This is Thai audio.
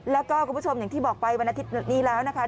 แล้วก็คุณผู้ชมอย่างที่บอกไปวันอาทิตย์นี้แล้วนะคะ